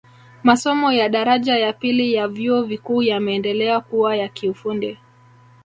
Masomo ya daraja ya pili ya vyuo vikuu yameendelea kuwa ya kiufundi